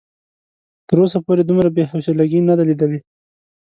تر اوسه پورې دومره بې حوصلګي نه ده ليدلې.